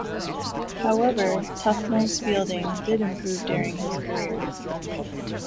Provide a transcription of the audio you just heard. However, Tufnell's fielding did improve during his career.